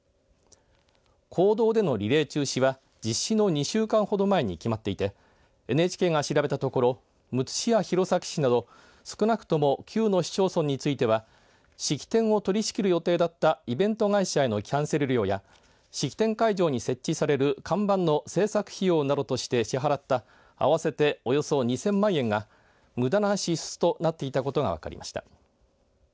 公道でのリレー中止は実施の２週間ほど前に決まっていてＮＨＫが調べたところむつ市や弘前市など少なくとも９の市町村については式典を取りしきる予定だったイベント会社へのキャンセル料や式典会場に設置される看板の製作費用などとして支払った合わせて、およそ２０００万円がむだな支出となっていたことが分かりました。